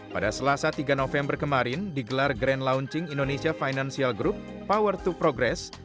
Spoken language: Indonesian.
pada selasa tiga november kemarin digelar grand launching indonesia financial group power to progress